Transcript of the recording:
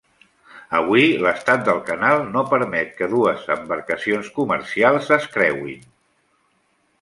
Avui, l'estat del canal no permet que dues embarcacions comercials es creuen.